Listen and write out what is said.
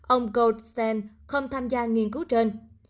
ông goldstein không tham gia nghiên cứu trên